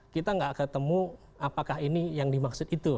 kita nggak ketemu apakah ini yang dimaksud itu